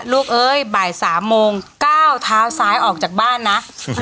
เอ้ยบ่าย๓โมงก้าวเท้าซ้ายออกจากบ้านนะ